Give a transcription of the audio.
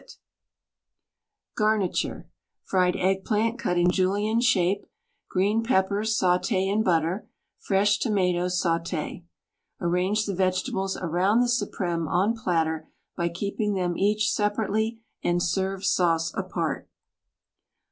WRITTEN FOR MEN BY MEN Garniture Fried eggplant cut in Julienne shape Green peppers saute in butter Fresh tomatoes saute Arrange the vegetables around the supreme on platter by keeping them each separately and serve sauce apart.